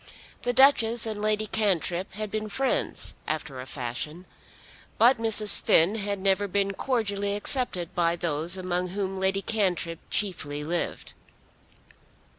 The Duchess and Lady Cantrip had been friends, after a fashion. But Mrs. Finn had never been cordially accepted by those among whom Lady Cantrip chiefly lived.